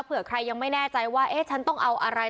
เผื่อใครยังไม่แน่ใจว่าเอ๊ะฉันต้องเอาอะไร